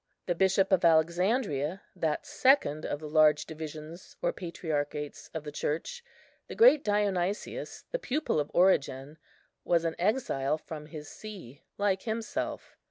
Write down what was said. The Bishop of Alexandria, that second of the large divisions or patriarchates of the Church, the great Dionysius, the pupil of Origen, was an exile from his see, like himself.